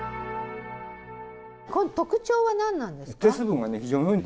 この特徴は何なんですか？